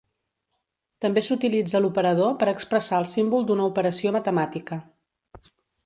També s"utilitza l"operador per expressar el símbol d"una operació matemàtica.